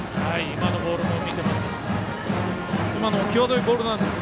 今のボールも見ています。